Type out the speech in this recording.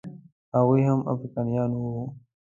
هغوی هم افریقایان وو.